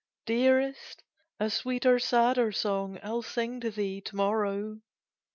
Dearest, a sweeter, sadder song I'll sing to thee to morrow."